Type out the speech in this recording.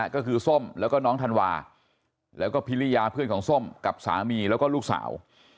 ก็คือส้มแล้วก็น้องธันวาแล้วก็พิริยาเพื่อนของส้มกับสามีแล้วก็ลูกสาว